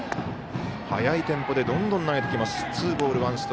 速いテンポでどんどん投げてきます。